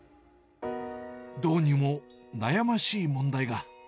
どうにも悩ましい問題が。